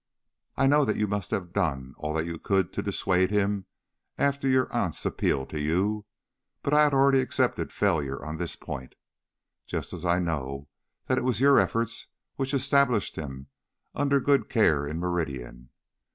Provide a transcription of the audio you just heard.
I know that you must have done all that you could to dissuade him after your aunt's appeal to you, but I had already accepted failure on this point. Just as I know that it was your efforts which established him under good care in Meridian.